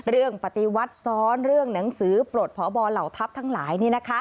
ปฏิวัติซ้อนเรื่องหนังสือปลดพบเหล่าทัพทั้งหลาย